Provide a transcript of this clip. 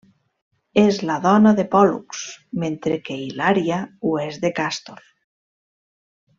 És la dona de Pòl·lux, mentre que Hilària ho és de Càstor.